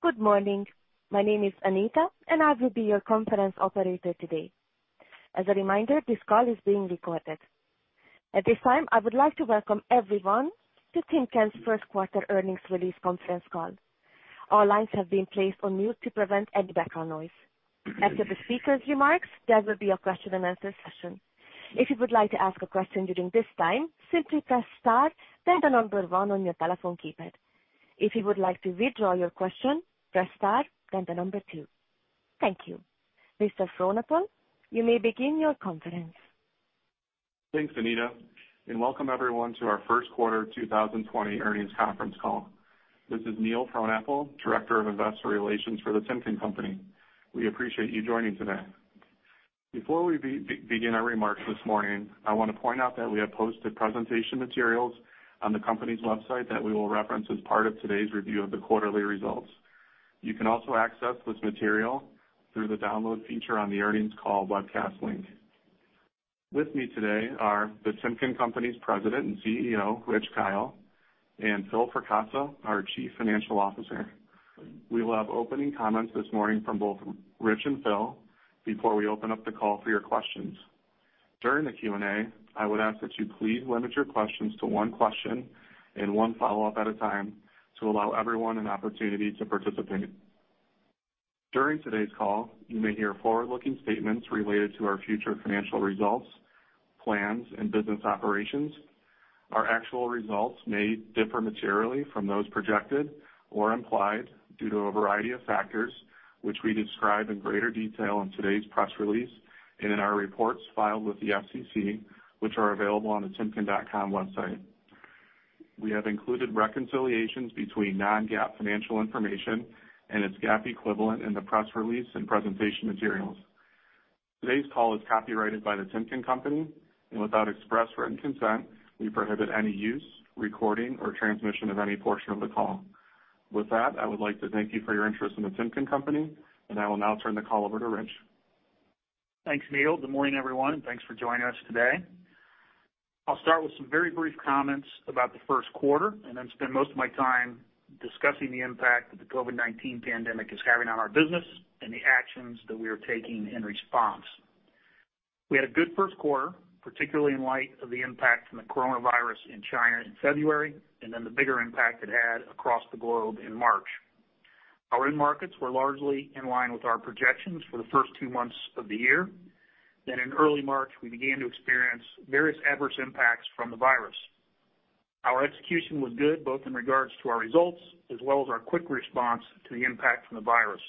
Good morning. My name is Anita, and I will be your conference operator today. As a reminder, this call is being recorded. At this time, I would like to welcome everyone to Timken's first quarter earnings release conference call. All lines have been placed on mute to prevent any background noise. After the speaker's remarks, there will be a question-and-answer session. If you would like to ask a question during this time, simply press star, then the number one on your telephone keypad. If you would like to withdraw your question, press star, then the number two. Thank you. Mr. Frohnapple, you may begin your conference. Thanks, Anita, and welcome everyone to our first quarter 2020 earnings conference call. This is Neil Frohnapple, Director of Investor Relations for The Timken Company. We appreciate you joining today. Before we begin our remarks this morning, I want to point out that we have posted presentation materials on the company's website that we will reference as part of today's review of the quarterly results. You can also access this material through the download feature on the earnings call webcast link. With me today are The Timken Company's President and CEO, Rich Kyle, and Phil Fracassa, our Chief Financial Officer. We will have opening comments this morning from both Rich and Phil before we open up the call for your questions. During the Q&A, I would ask that you please limit your questions to one question and one follow-up at a time to allow everyone an opportunity to participate. During today's call, you may hear forward-looking statements related to our future financial results, plans, and business operations. Our actual results may differ materially from those projected or implied due to a variety of factors, which we describe in greater detail in today's press release and in our reports filed with the SEC, which are available on the timken.com website. We have included reconciliations between non-GAAP financial information and its GAAP equivalent in the press release and presentation materials. Today's call is copyrighted by The Timken Company, and without express written consent, we prohibit any use, recording, or transmission of any portion of the call. With that, I would like to thank you for your interest in The Timken Company, and I will now turn the call over to Rich. Thanks, Neil. Good morning, everyone. Thanks for joining us today. I'll start with some very brief comments about the first quarter. Then spend most of my time discussing the impact that the COVID-19 pandemic is having on our business and the actions that we are taking in response. We had a good first quarter, particularly in light of the impact from the coronavirus in China in February. Then the bigger impact it had across the globe in March. Our end markets were largely in line with our projections for the first two months of the year. In early March, we began to experience various adverse impacts from the virus. Our execution was good, both in regards to our results, as well as our quick response to the impact from the virus.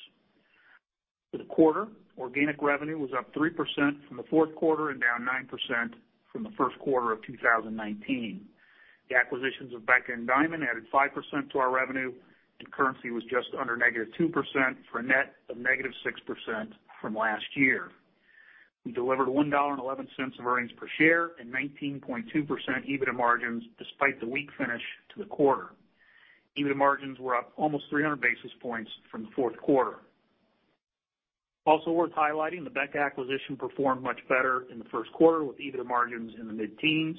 For the quarter, organic revenue was up 3% from the fourth quarter and down 9% from the first quarter of 2019. The acquisitions of BEKA and Diamond Chain added 5% to our revenue, and currency was just under negative 2% for a net of negative 6% from last year. We delivered $1.11 of earnings per share and 19.2% EBITDA margins despite the weak finish to the quarter. EBITDA margins were up almost 300 basis points from the fourth quarter. Also worth highlighting, the BEKA acquisition performed much better in the first quarter with EBITDA margins in the mid-teens.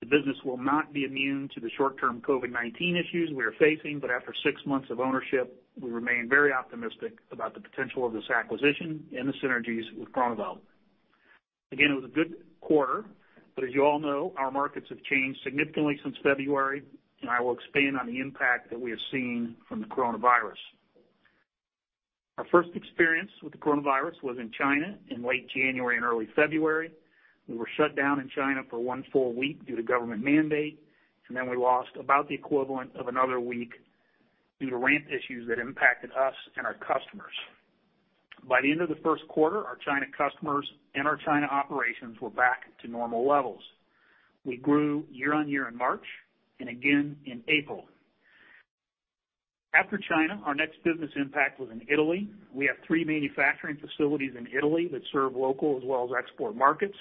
The business will not be immune to the short-term COVID-19 issues we are facing, but after six months of ownership, we remain very optimistic about the potential of this acquisition and the synergies with Groeneveld. Again, it was a good quarter, but as you all know, our markets have changed significantly since February, and I will expand on the impact that we have seen from the coronavirus. Our first experience with the coronavirus was in China in late January and early February. We were shut down in China for one full week due to government mandate, and then we lost about the equivalent of another week due to ramp issues that impacted us and our customers. By the end of the first quarter, our China customers and our China operations were back to normal levels. We grew year-on-year in March, and again in April. After China, our next business impact was in Italy. We have three manufacturing facilities in Italy that serve local as well as export markets.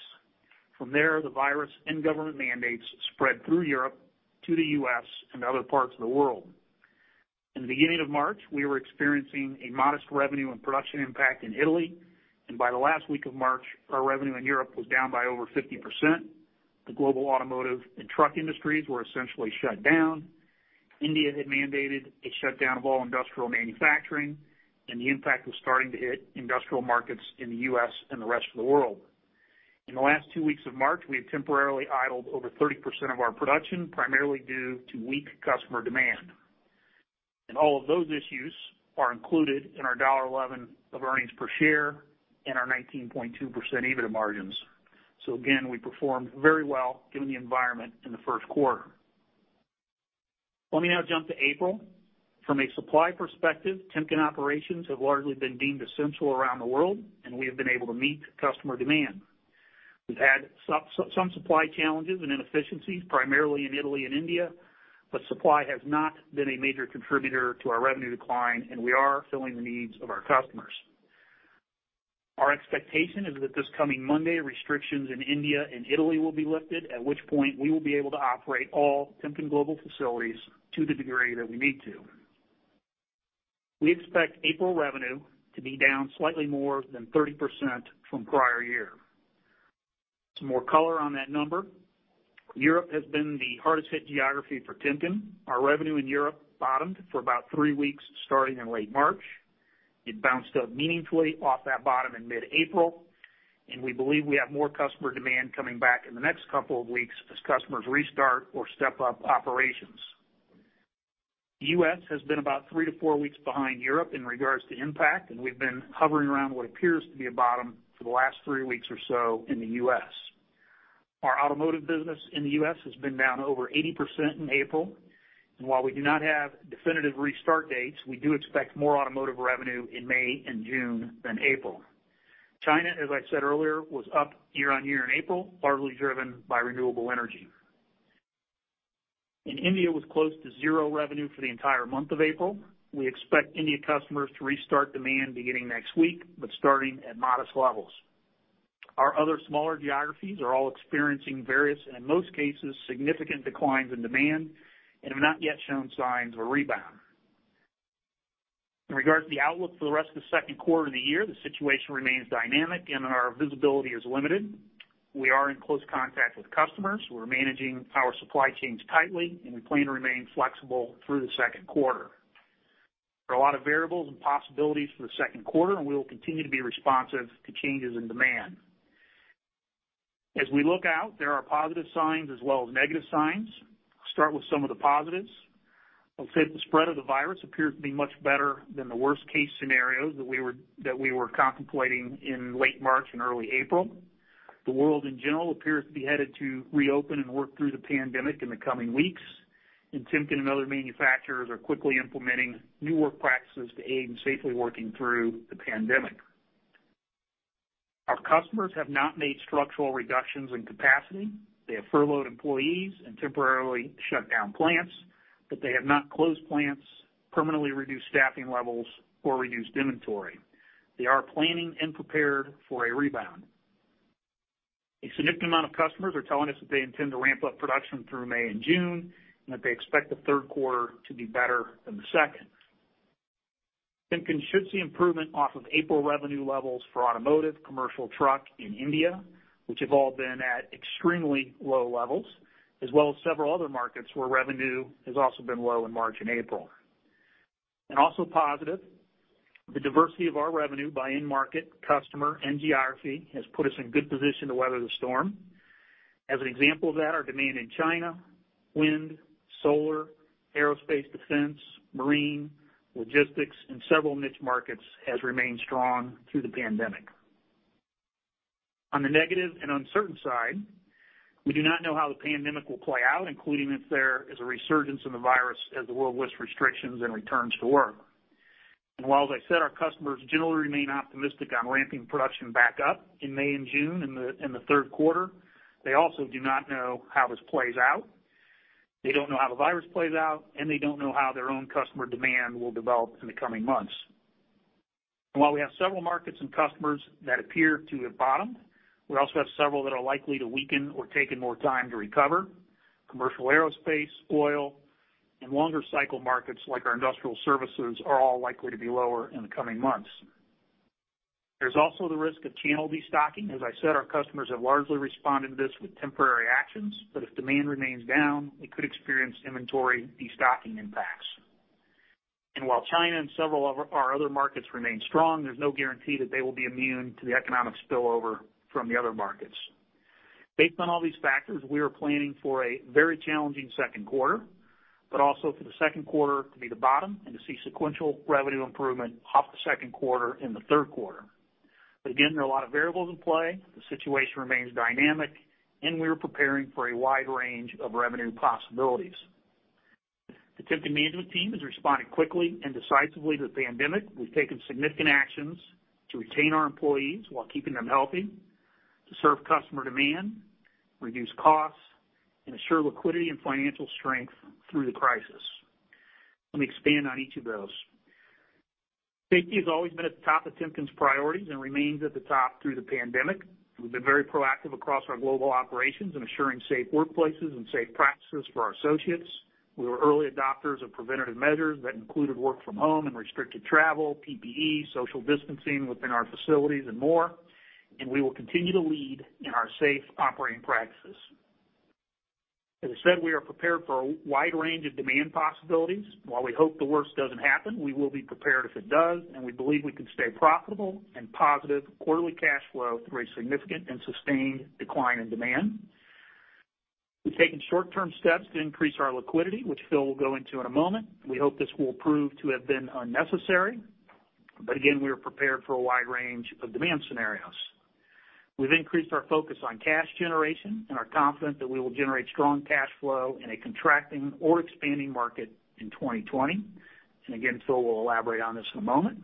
From there, the virus and government mandates spread through Europe to the U.S. and other parts of the world. In the beginning of March, we were experiencing a modest revenue and production impact in Italy, and by the last week of March, our revenue in Europe was down by over 50%. The global automotive and truck industries were essentially shut down. India had mandated a shutdown of all industrial manufacturing, and the impact was starting to hit industrial markets in the U.S. and the rest of the world. In the last two weeks of March, we had temporarily idled over 30% of our production, primarily due to weak customer demand. All of those issues are included in our $1.11 of earnings per share and our 19.2% EBITDA margins. Again, we performed very well given the environment in the first quarter. Let me now jump to April. From a supply perspective, Timken operations have largely been deemed essential around the world, and we have been able to meet customer demand. We've had some supply challenges and inefficiencies, primarily in Italy and India, but supply has not been a major contributor to our revenue decline, and we are filling the needs of our customers. Our expectation is that this coming Monday, restrictions in India and Italy will be lifted, at which point we will be able to operate all Timken global facilities to the degree that we need to. We expect April revenue to be down slightly more than 30% from prior year. Some more color on that number. Europe has been the hardest hit geography for Timken. Our revenue in Europe bottomed for about three weeks starting in late March. It bounced up meaningfully off that bottom in mid-April. We believe we have more customer demand coming back in the next couple of weeks as customers restart or step up operations. U.S. has been about three to four weeks behind Europe in regards to impact. We've been hovering around what appears to be a bottom for the last three weeks or so in the U.S. Our automotive business in the U.S. has been down over 80% in April. While we do not have definitive restart dates, we do expect more automotive revenue in May and June than April. China, as I said earlier, was up year-on-year in April, largely driven by renewable energy. India was close to zero revenue for the entire month of April. We expect India customers to restart demand beginning next week, starting at modest levels. Our other smaller geographies are all experiencing various, and in most cases, significant declines in demand and have not yet shown signs of a rebound. In regards to the outlook for the rest of the second quarter of the year, the situation remains dynamic, and our visibility is limited. We are in close contact with customers. We're managing our supply chains tightly, and we plan to remain flexible through the second quarter. There are a lot of variables and possibilities for the second quarter, and we will continue to be responsive to changes in demand. As we look out, there are positive signs as well as negative signs. I'll start with some of the positives. I'll say that the spread of the virus appears to be much better than the worst case scenarios that we were contemplating in late March and early April. The world in general appears to be headed to reopen and work through the pandemic in the coming weeks, and Timken and other manufacturers are quickly implementing new work practices to aid in safely working through the pandemic. Our customers have not made structural reductions in capacity. They have furloughed employees and temporarily shut down plants, but they have not closed plants, permanently reduced staffing levels, or reduced inventory. They are planning and prepared for a rebound. A significant amount of customers are telling us that they intend to ramp up production through May and June, and that they expect the third quarter to be better than the second. Timken should see improvement off of April revenue levels for automotive, commercial truck in India, which have all been at extremely low levels, as well as several other markets where revenue has also been low in March and April. Also positive, the diversity of our revenue by end market, customer, and geography has put us in good position to weather the storm. As an example of that, our demand in China, wind, solar, aerospace defense, marine, logistics, and several niche markets has remained strong through the pandemic. On the negative and uncertain side, we do not know how the pandemic will play out, including if there is a resurgence in the virus as the world lifts restrictions and returns to work. While, as I said, our customers generally remain optimistic on ramping production back up in May and June in the third quarter, they also do not know how this plays out. They don't know how the virus plays out, and they don't know how their own customer demand will develop in the coming months. While we have several markets and customers that appear to have bottomed, we also have several that are likely to weaken or taking more time to recover. Commercial aerospace, oil, and longer cycle markets like our industrial services are all likely to be lower in the coming months. There's also the risk of channel destocking. As I said, our customers have largely responded to this with temporary actions, but if demand remains down, we could experience inventory destocking impacts. While China and several of our other markets remain strong, there's no guarantee that they will be immune to the economic spillover from the other markets. Based on all these factors, we are planning for a very challenging second quarter, but also for the second quarter to be the bottom and to see sequential revenue improvement off the second quarter in the third quarter. Again, there are a lot of variables in play. The situation remains dynamic, and we are preparing for a wide range of revenue possibilities. The Timken management team has responded quickly and decisively to the pandemic. We've taken significant actions to retain our employees while keeping them healthy, to serve customer demand, reduce costs, and assure liquidity and financial strength through the crisis. Let me expand on each of those. Safety has always been at the top of Timken's priorities and remains at the top through the pandemic. We've been very proactive across our global operations in assuring safe workplaces and safe practices for our associates. We were early adopters of preventative measures that included work from home and restricted travel, PPE, social distancing within our facilities, and more, and we will continue to lead in our safe operating practices. As I said, we are prepared for a wide range of demand possibilities. While we hope the worst doesn't happen, we will be prepared if it does, and we believe we can stay profitable and positive quarterly cash flow through a significant and sustained decline in demand. We've taken short-term steps to increase our liquidity, which Phil will go into in a moment. We hope this will prove to have been unnecessary. Again, we are prepared for a wide range of demand scenarios. We've increased our focus on cash generation and are confident that we will generate strong cash flow in a contracting or expanding market in 2020. Again, Phil will elaborate on this in a moment.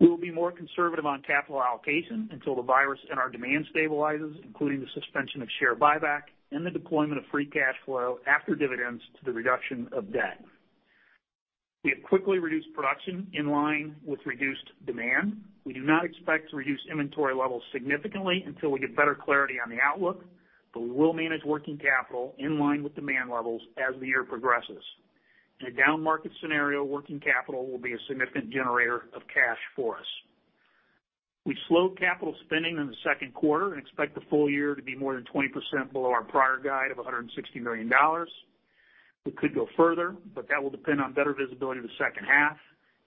We will be more conservative on capital allocation until the virus and our demand stabilizes, including the suspension of share buyback and the deployment of free cash flow after dividends to the reduction of debt. We have quickly reduced production in line with reduced demand. We do not expect to reduce inventory levels significantly until we get better clarity on the outlook, but we will manage working capital in line with demand levels as the year progresses. In a down market scenario, working capital will be a significant generator of cash for us. We slowed capital spending in the second quarter and expect the full year to be more than 20% below our prior guide of $160 million. We could go further, but that will depend on better visibility in the second half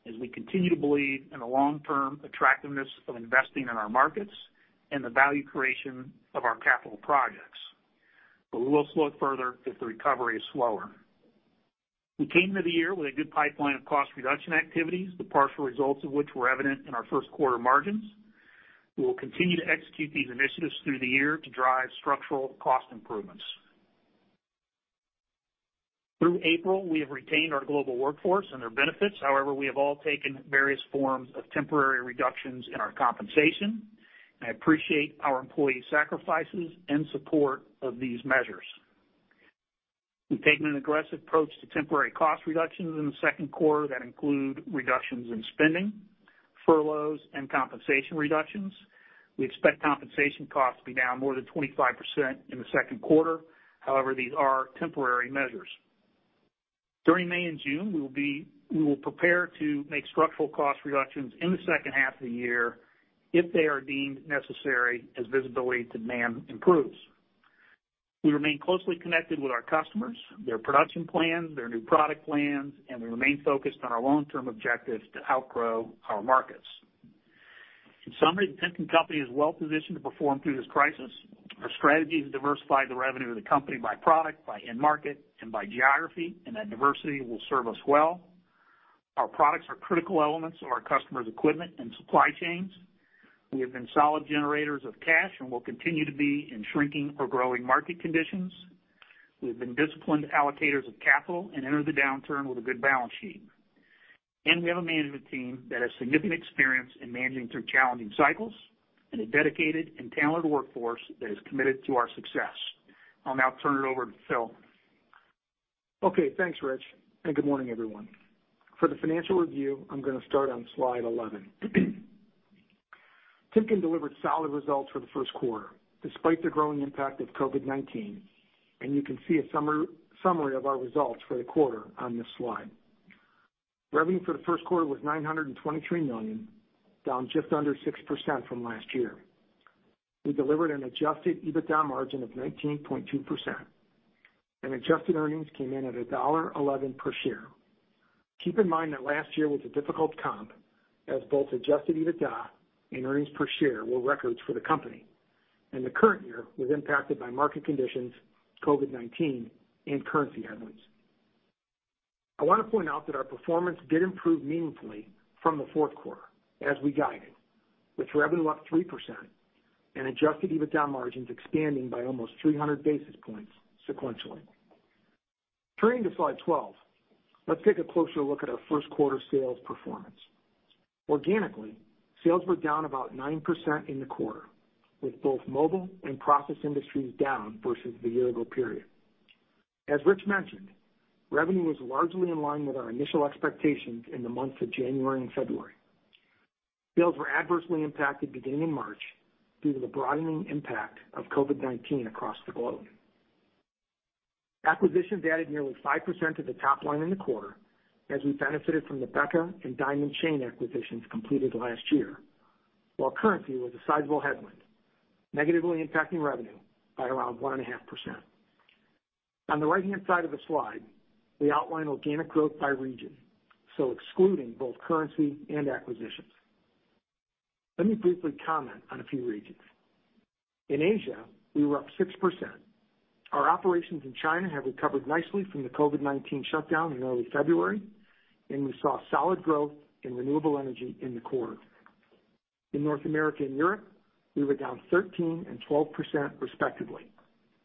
as we continue to believe in the long-term attractiveness of investing in our markets and the value creation of our capital projects. We will slow it further if the recovery is slower. We came into the year with a good pipeline of cost reduction activities, the partial results of which were evident in our first quarter margins. We will continue to execute these initiatives through the year to drive structural cost improvements. Through April, we have retained our global workforce and their benefits. We have all taken various forms of temporary reductions in our compensation. I appreciate our employee sacrifices and support of these measures. We've taken an aggressive approach to temporary cost reductions in the second quarter that include reductions in spending, furloughs, and compensation reductions. We expect compensation costs to be down more than 25% in the second quarter. These are temporary measures. During May and June, we will prepare to make structural cost reductions in the second half of the year if they are deemed necessary as visibility to demand improves. We remain closely connected with our customers, their production plans, their new product plans, and we remain focused on our long-term objectives to outgrow our markets. In summary, Timken Company is well-positioned to perform through this crisis. Our strategy is to diversify the revenue of the company by product, by end market, and by geography, and that diversity will serve us well. Our products are critical elements of our customers' equipment and supply chains. We have been solid generators of cash and will continue to be in shrinking or growing market conditions. We have been disciplined allocators of capital and enter the downturn with a good balance sheet. We have a management team that has significant experience in managing through challenging cycles, and a dedicated and talented workforce that is committed to our success. I'll now turn it over to Phil. Okay, thanks, Rich, and good morning, everyone. For the financial review, I'm going to start on slide 11. Timken delivered solid results for the first quarter, despite the growing impact of COVID-19, and you can see a summary of our results for the quarter on this slide. Revenue for the first quarter was $923 million, down just under 6% from last year. We delivered an adjusted EBITDA margin of 19.2%. Adjusted earnings came in at $1.11 per share. Keep in mind that last year was a difficult comp, as both adjusted EBITDA and earnings per share were records for the company. The current year was impacted by market conditions, COVID-19, and currency headwinds. I want to point out that our performance did improve meaningfully from the fourth quarter, as we guided, with revenue up 3% and adjusted EBITDA margins expanding by almost 300 basis points sequentially. Turning to slide 12, let's take a closer look at our first quarter sales performance. Organically, sales were down about 9% in the quarter, with both Mobile Industries and Process Industries down versus the year-ago period. As Rich mentioned, revenue was largely in line with our initial expectations in the months of January and February. Sales were adversely impacted beginning in March due to the broadening impact of COVID-19 across the globe. Acquisitions added nearly 5% to the top line in the quarter as we benefited from the BEKA and Diamond Chain acquisitions completed last year, while currency was a sizable headwind, negatively impacting revenue by around 1.5%. On the right-hand side of the slide, we outline organic growth by region, excluding both currency and acquisitions. Let me briefly comment on a few regions. In Asia, we were up 6%. Our operations in China have recovered nicely from the COVID-19 shutdown in early February, and we saw solid growth in renewable energy in the quarter. In North America and Europe, we were down 13% and 12% respectively,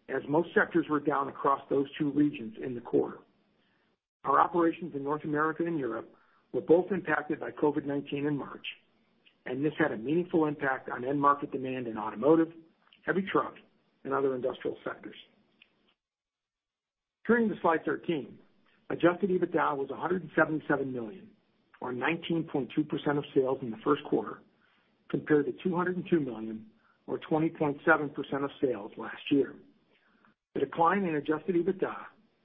as most sectors were down across those two regions in the quarter. Our operations in North America and Europe were both impacted by COVID-19 in March, and this had a meaningful impact on end market demand in automotive, heavy truck, and other industrial sectors. Turning to slide 13, adjusted EBITDA was $177 million, or 19.2% of sales in the first quarter, compared to $202 million, or 20.7% of sales last year. The decline in adjusted EBITDA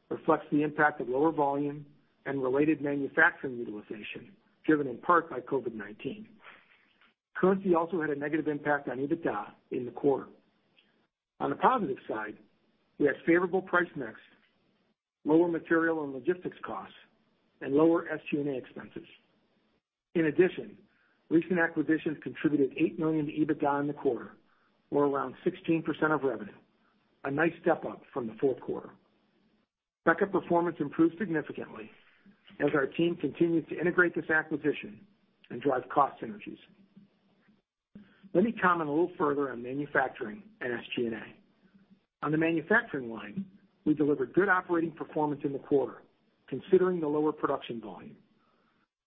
reflects the impact of lower volume and related manufacturing utilization, driven in part by COVID-19. Currency also had a negative impact on EBITDA in the quarter. On the positive side, we had favorable price mix, lower material and logistics costs, and lower SG&A expenses. In addition, recent acquisitions contributed $8 million to EBITDA in the quarter, or around 16% of revenue, a nice step-up from the fourth quarter. BEKA performance improved significantly as our team continues to integrate this acquisition and drive cost synergies. Let me comment a little further on manufacturing and SG&A. On the manufacturing line, we delivered good operating performance in the quarter, considering the lower production volume.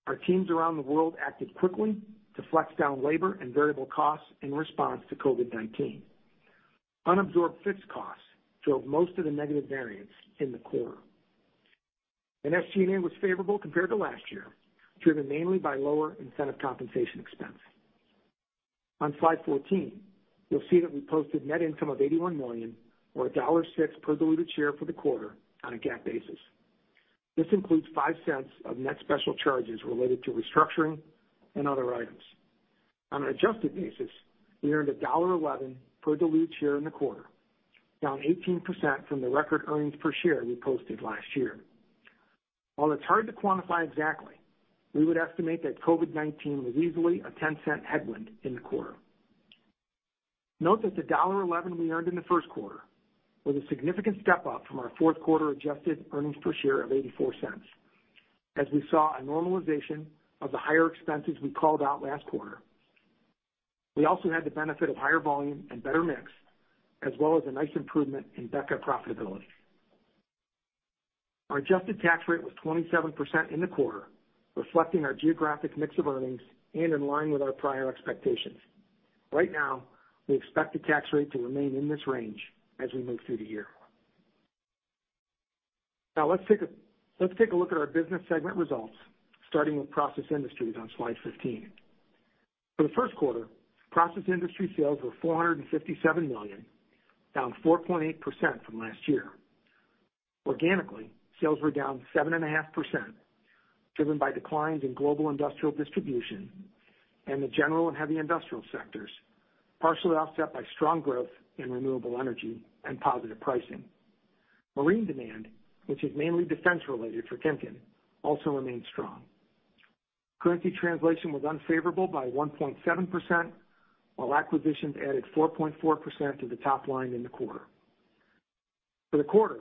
Our teams around the world acted quickly to flex down labor and variable costs in response to COVID-19. Unabsorbed fixed costs drove most of the negative variance in the quarter. SG&A was favorable compared to last year, driven mainly by lower incentive compensation expense. On slide 14, you'll see that we posted net income of $81 million, or $1.06 per diluted share for the quarter on a GAAP basis. This includes $0.05 of net special charges related to restructuring and other items. On an adjusted basis, we earned $1.11 per diluted share in the quarter, down 18% from the record earnings per share we posted last year. While it's hard to quantify exactly, we would estimate that COVID-19 was easily a $0.10 headwind in the quarter. Note that the $1.11 we earned in the first quarter was a significant step up from our fourth quarter adjusted earnings per share of $0.84, as we saw a normalization of the higher expenses we called out last quarter. We also had the benefit of higher volume and better mix, as well as a nice improvement in BEKA profitability. Our adjusted tax rate was 27% in the quarter, reflecting our geographic mix of earnings and in line with our prior expectations. Right now, we expect the tax rate to remain in this range as we move through the year. Now let's take a look at our business segment results, starting with Process Industries on slide 15. For the first quarter, Process Industries sales were $457 million, down 4.8% from last year. Organically, sales were down 7.5%, driven by declines in global industrial distribution and the general and heavy industrial sectors, partially offset by strong growth in renewable energy and positive pricing. Marine demand, which is mainly defense-related for Timken, also remained strong. Currency translation was unfavorable by 1.7%, while acquisitions added 4.4% to the top line in the quarter. For the quarter,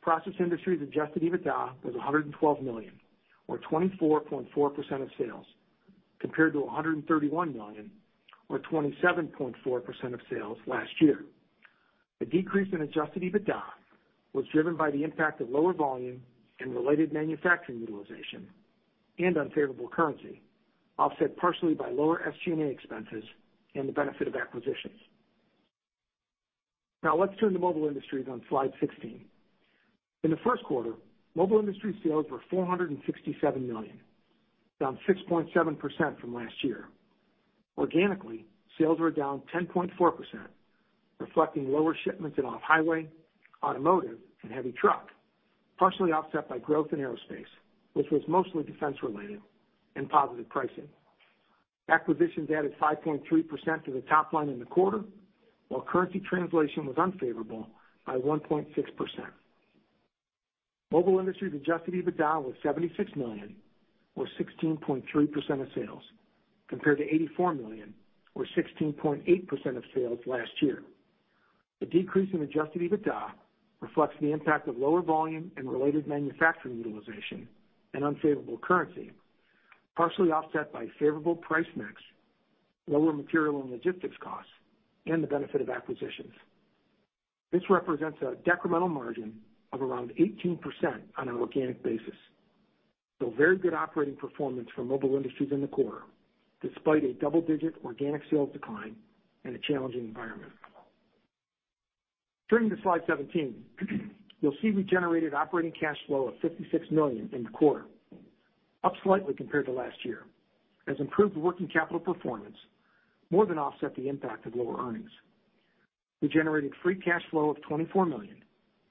Process Industries adjusted EBITDA was $112 million, or 24.4% of sales, compared to $131 million, or 27.4% of sales last year. The decrease in adjusted EBITDA was driven by the impact of lower volume and related manufacturing utilization, and unfavorable currency, offset partially by lower SG&A expenses and the benefit of acquisitions. Now let's turn to Mobile Industries on slide 16. In the first quarter, Mobile Industries sales were $467 million, down 6.7% from last year. Organically, sales were down 10.4%, reflecting lower shipments in off-highway, automotive, and heavy truck, partially offset by growth in aerospace, which was mostly defense-related and positive pricing. Acquisitions added 5.3% to the top line in the quarter, while currency translation was unfavorable by 1.6%. Mobile Industries adjusted EBITDA was $76 million, or 16.3% of sales, compared to $84 million, or 16.8% of sales last year. The decrease in adjusted EBITDA reflects the impact of lower volume and related manufacturing utilization and unfavorable currency, partially offset by favorable price mix, lower material and logistics costs, and the benefit of acquisitions. This represents a decremental margin of around 18% on an organic basis. Very good operating performance for Mobile Industries in the quarter, despite a double-digit organic sales decline and a challenging environment. Turning to slide 17, you'll see we generated operating cash flow of $56 million in the quarter, up slightly compared to last year, as improved working capital performance more than offset the impact of lower earnings. We generated free cash flow of $24 million,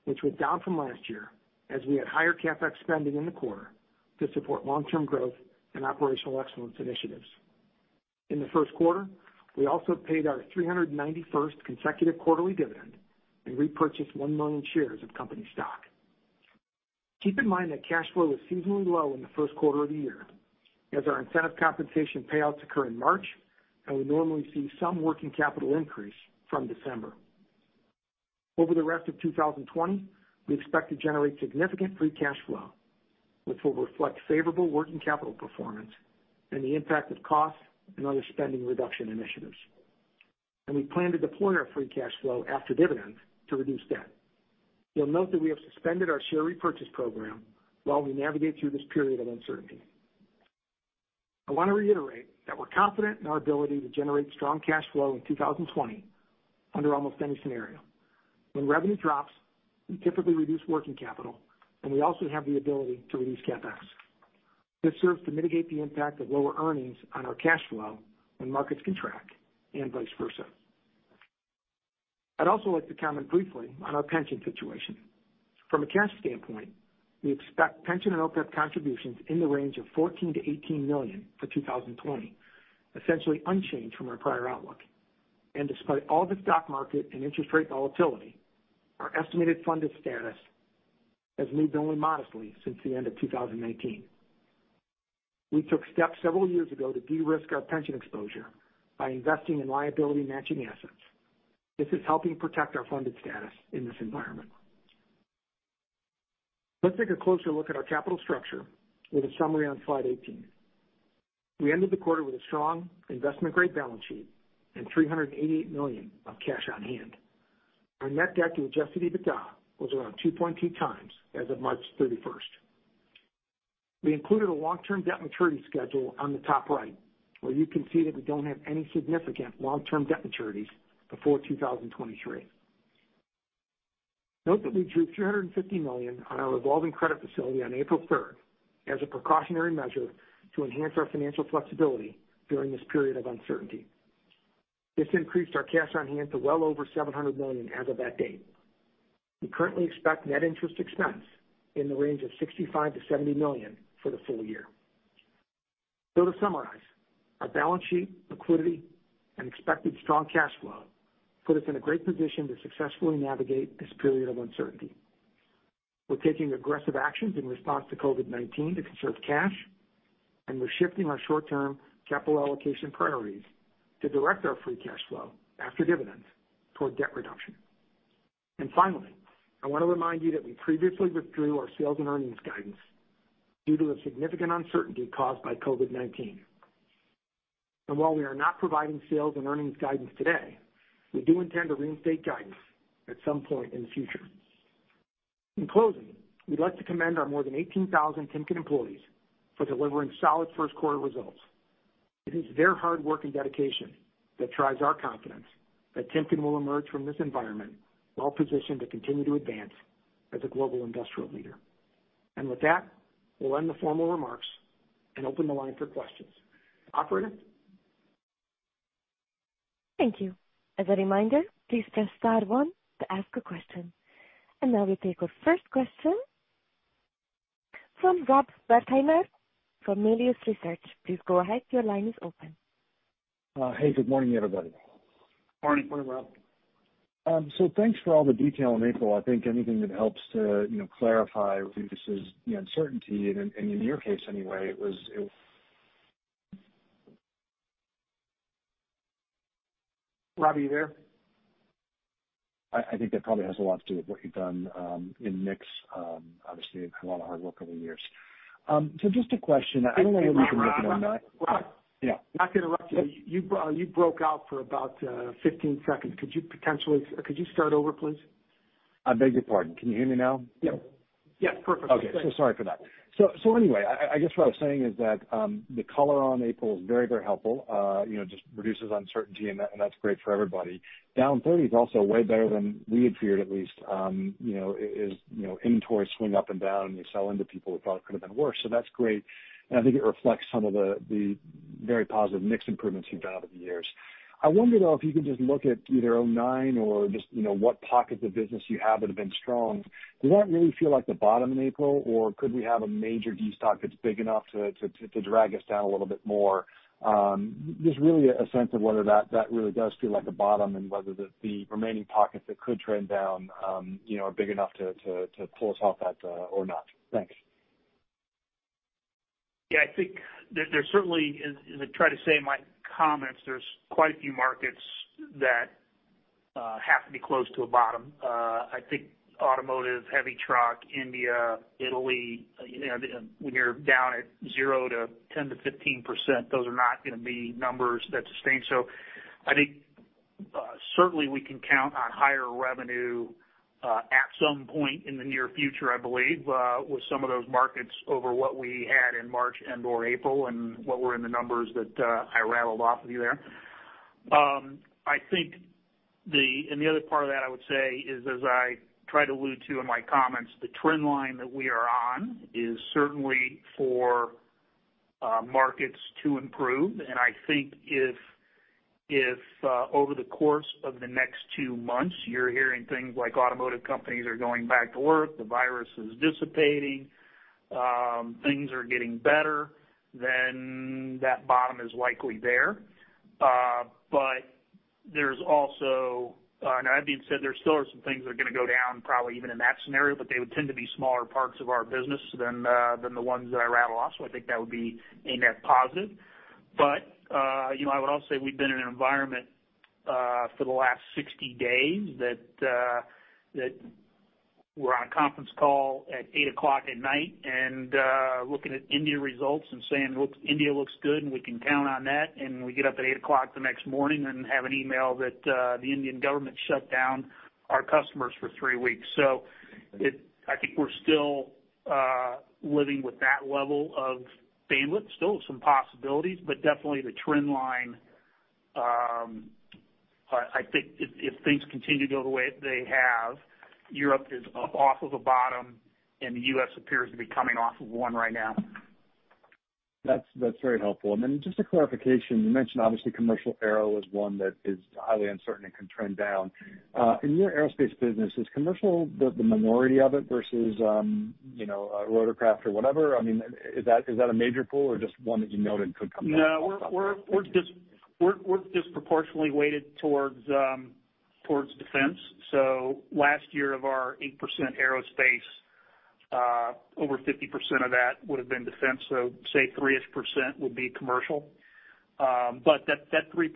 which was down from last year as we had higher CapEx spending in the quarter to support long-term growth and operational excellence initiatives. In the first quarter, we also paid our 391st consecutive quarterly dividend and repurchased 1 million shares of company stock. Keep in mind that cash flow was seasonally low in the first quarter of the year, as our incentive compensation payouts occur in March, and we normally see some working capital increase from December. Over the rest of 2020, we expect to generate significant free cash flow, which will reflect favorable working capital performance and the impact of costs and other spending reduction initiatives. We plan to deploy our free cash flow after dividends to reduce debt. You'll note that we have suspended our share repurchase program while we navigate through this period of uncertainty. I want to reiterate that we're confident in our ability to generate strong cash flow in 2020 under almost any scenario. When revenue drops, we typically reduce working capital, and we also have the ability to reduce CapEx. This serves to mitigate the impact of lower earnings on our cash flow when markets contract, and vice versa. I'd also like to comment briefly on our pension situation. From a cash standpoint, we expect pension and OPEB contributions in the range of $14 million-$18 million for 2020, essentially unchanged from our prior outlook. Despite all the stock market and interest rate volatility, our estimated funded status has moved only modestly since the end of 2019. We took steps several years ago to de-risk our pension exposure by investing in liability matching assets. This is helping protect our funded status in this environment. Let's take a closer look at our capital structure with a summary on slide 18. We ended the quarter with a strong investment-grade balance sheet and $388 million of cash on hand. Our net debt to adjusted EBITDA was around 2.2x as of March 31st. We included a long-term debt maturity schedule on the top right, where you can see that we don't have any significant long-term debt maturities before 2023. Note that we drew $350 million on our revolving credit facility on April 3rd as a precautionary measure to enhance our financial flexibility during this period of uncertainty. This increased our cash on hand to well over $700 million as of that date. We currently expect net interest expense in the range of $65 million-$70 million for the full year. To summarize, our balance sheet liquidity and expected strong cash flow put us in a great position to successfully navigate this period of uncertainty. We're taking aggressive actions in response to COVID-19 to conserve cash, and we're shifting our short-term capital allocation priorities to direct our free cash flow after dividends toward debt reduction. Finally, I want to remind you that we previously withdrew our sales and earnings guidance due to a significant uncertainty caused by COVID-19. While we are not providing sales and earnings guidance today, we do intend to reinstate guidance at some point in the future. In closing, we'd like to commend our more than 18,000 Timken employees for delivering solid first quarter results. It is their hard work and dedication that drives our confidence that Timken will emerge from this environment well-positioned to continue to advance as a global industrial leader. With that, we'll end the formal remarks and open the line for questions. Operator? Thank you. As a reminder, please press star one to ask a question. Now we take our first question from Rob Wertheimer from Melius Research. Please go ahead. Your line is open. Hey, good morning, everybody. Morning. Morning, Rob. Thanks for all the detail on April. I think anything that helps to clarify reduces the uncertainty, and in your case anyway, it was. Rob, are you there? I think that probably has a lot to do with what you've done in mix. Obviously, a lot of hard work over the years. Just a question. I don't know whether you can. Rob. Yeah. Not to interrupt you. You broke out for about 15 seconds. Could you start over, please? I beg your pardon. Can you hear me now? Yep. Yeah, perfect. Okay. Sorry for that. Anyway, I guess what I was saying is that the color on April is very helpful. Just reduces uncertainty, and that's great for everybody. Down 30 is also way better than we had feared at least, is inventory swing up and down, and you sell into people we thought it could've been worse. That's great. I think it reflects some of the very positive mix improvements you've done over the years. I wonder, though, if you can just look at either 2009 or just what pockets of business you have that have been strong. Does that really feel like the bottom in April, or could we have a major destock that's big enough to drag us down a little bit more? Just really a sense of whether that really does feel like a bottom and whether the remaining pockets that could trend down are big enough to pull us off that or not? Thanks. Yeah, I think there certainly is, as I try to say in my comments, there's quite a few markets that have to be close to a bottom. I think automotive, heavy truck, India, Italy, when you're down at zero to 10% to 15%, those are not going to be numbers that sustain. I think certainly we can count on higher revenue at some point in the near future, I believe, with some of those markets over what we had in March and/or April and what were in the numbers that I rattled off with you there. The other part of that I would say is, as I tried to allude to in my comments, the trend line that we are on is certainly for markets to improve. I think if over the course of the next two months you're hearing things like automotive companies are going back to work, the virus is dissipating, things are getting better, then that bottom is likely there. Now, that being said, there still are some things that are going to go down probably even in that scenario, but they would tend to be smaller parts of our business than the ones that I rattled off. I think that would be a net positive. I would also say we've been in an environment for the last 60 days that we're on a conference call at 8:00 P.M. and looking at India results and saying, "India looks good, and we can count on that." We get up at 8:00 A.M. the next morning and have an email that the Indian government shut down our customers for three weeks. I think we're still living with that level of bandwidth, still some possibilities, but definitely the trend line, I think if things continue to go the way they have, Europe is off of a bottom, and the U.S. appears to be coming off of one right now. That's very helpful. Just a clarification, you mentioned obviously commercial aero is one that is highly uncertain and can trend down. In your aerospace business, is commercial the minority of it versus rotorcraft or whatever? Is that a major pool or just one that you know that could come down? No, we're disproportionately weighted towards defense. Last year of our 8% aerospace, over 50% of that would have been defense. Say 3% would be commercial. That 3%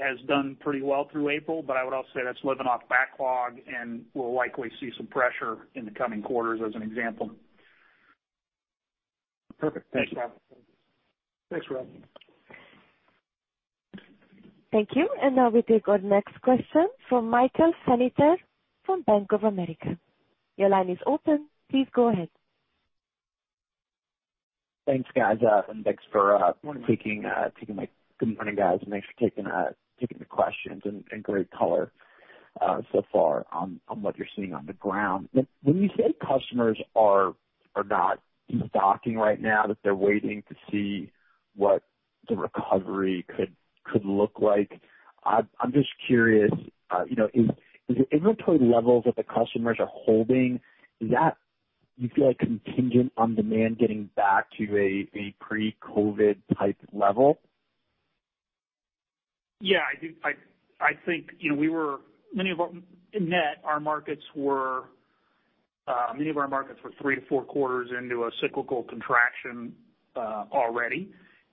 has done pretty well through April, but I would also say that's living off backlog, and we'll likely see some pressure in the coming quarters as an example. Perfect. Thanks, Kyle. Thanks, Rob. Thank you. Now we take our next question from Michael Feniger from Bank of America. Your line is open. Please go ahead. Thanks, guys. Good morning. Thanks for taking the questions, and great color so far on what you're seeing on the ground. When you say customers are not stocking right now, that they're waiting to see what the recovery could look like, I'm just curious, is the inventory levels that the customers are holding, is that, you feel like, contingent on demand getting back to a pre-COVID type level? Yeah. I think many of our markets were three to four quarters into a cyclical contraction already,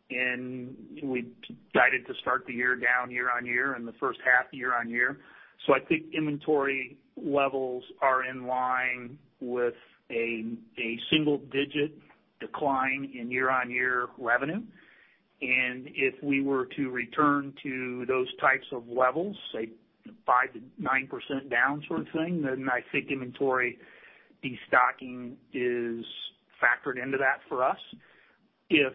and we guided to start the year down year-on-year in the first half year-on-year. I think inventory levels are in line with a single-digit decline in year-on-year revenue. If we were to return to those types of levels, say, 5%-9% down sort of thing, then I think inventory destocking is factored into that for us. If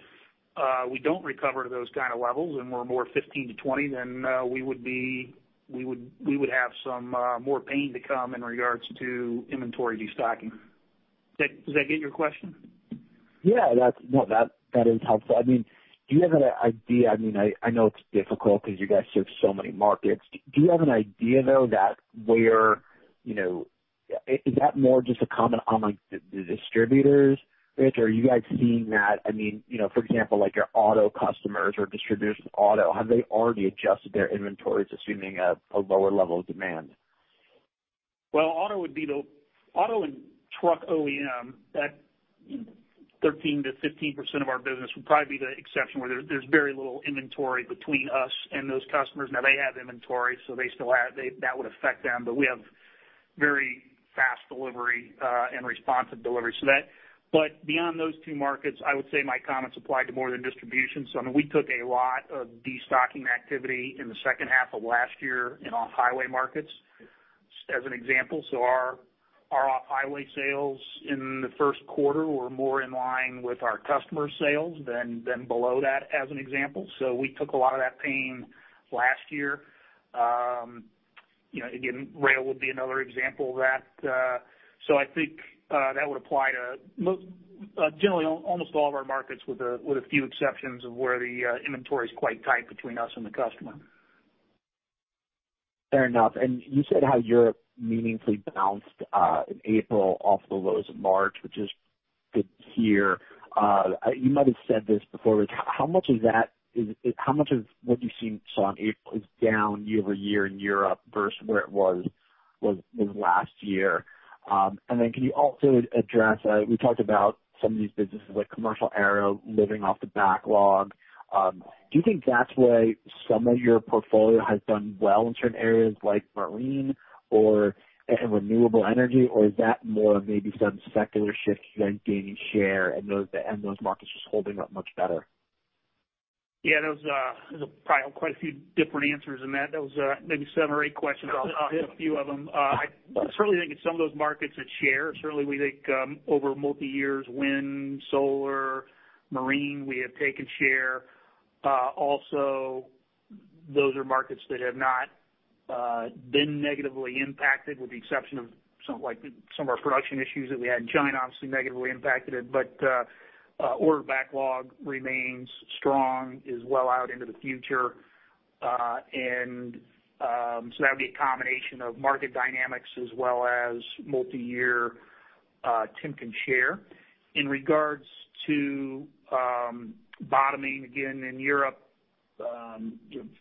we don't recover to those kind of levels, and we're more 15%-20%, then we would have some more pain to come in regards to inventory destocking. Does that get your question? Yeah. That is helpful. I know it's difficult because you guys serve so many markets. Do you have an idea, though, is that more just a comment on the distributors, Rich, or are you guys seeing that, for example, your auto customers or distributors of auto, have they already adjusted their inventories assuming a lower level of demand? Well, auto and truck OEM, that 13%-15% of our business, would probably be the exception, where there's very little inventory between us and those customers. Now, they have inventory, so that would affect them. We have very fast delivery and responsive delivery. Beyond those two markets, I would say my comments apply to more of the distribution. We took a lot of destocking activity in the second half of last year in off-highway markets, as an example. Our off-highway sales in the first quarter were more in line with our customer sales than below that, as an example. We took a lot of that pain last year. Again, rail would be another example of that. I think that would apply to generally almost all of our markets, with a few exceptions of where the inventory's quite tight between us and the customer. Fair enough. you said how Europe meaningfully bounced in April off the lows of March, which is good to hear. You might have said this before, Rich. How much of what you saw in April is down year-over-year in Europe versus where it was last year? Can you also address, we talked about some of these businesses like commercial aero living off the backlog. Do you think that's why some of your portfolio has done well in certain areas like marine and renewable energy? is that more of maybe some secular shift, you guys gaining share and those markets just holding up much better? Yeah. There's probably quite a few different answers in that. That was maybe seven or eight questions. I'll hit a few of them. I certainly think in some of those markets, it's share. Certainly, we think over multi-years, wind, solar, marine, we have taken share. Also, those are markets that have not been negatively impacted, with the exception of some of our production issues that we had in China, obviously negatively impacted it. Order backlog remains strong, is well out into the future. That would be a combination of market dynamics as well as multi-year Timken share. In regards to bottoming again in Europe,